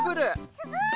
すごい！